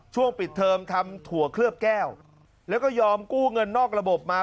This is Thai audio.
ช่วงปิดเทอมทำถั่วเคลือบแก้วแล้วก็ยอมกู้เงินนอกระบบมา